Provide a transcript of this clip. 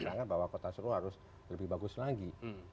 misalnya bahwa kota solo harus lebih bagus lagi